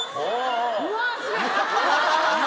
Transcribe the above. うわっすげえ！